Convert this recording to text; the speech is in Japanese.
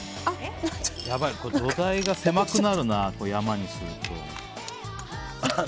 土台が狭くなるな、山にすると。